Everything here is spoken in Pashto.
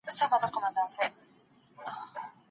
د ټولني پرمختګ ناشونی کار نه دی.